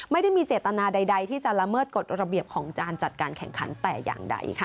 ไม่ได้มีเจตนาใดที่จะละเมิดกฎระเบียบของการจัดการแข่งขันแต่อย่างใดค่ะ